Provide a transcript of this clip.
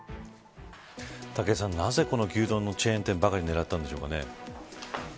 武井さん、なぜこの牛丼のチェーン店ばかり狙ったんでしょうかね。